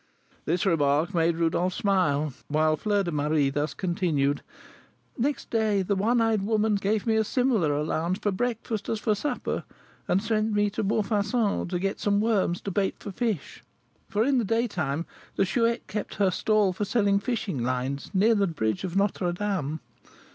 '" This remark made Rodolph smile, whilst Fleur de Marie thus continued: "Next day the one eyed woman gave me a similar allowance for breakfast as for supper, and sent me to Montfauçon to get some worms to bait for fish; for in the daytime the Chouette kept her stall for selling fishing lines, near the bridge of Notre Dame.